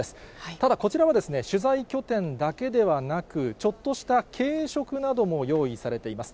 ただ、こちらは取材拠点だけではなく、ちょっとした軽食なども用意されています。